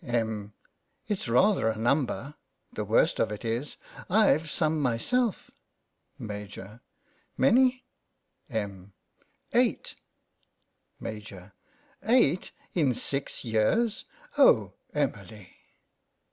Em. : It's rather a number. The worst of it is, IVe some myself. Afaj.: Many? Em,: Eight Maj\ : Eight in six years ! Oh, Emily